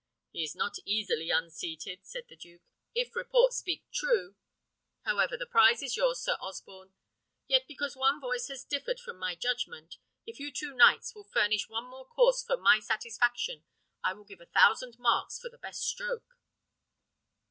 "He is not easily unseated," said the duke, "if report speak true. However, the prize is yours, Sir Osborne. Yet, because one voice has differed from my judgment, if you two knights will furnish one more course for my satisfaction, I will give a thousand marks for the best stroke."